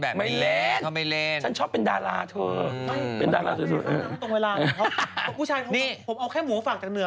อ่าวทำไมเธอไปพูดอย่างนั้นเนี่ย